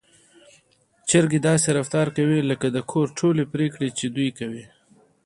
چرګې داسې رفتار کوي لکه د کور ټولې پرېکړې چې دوی کوي.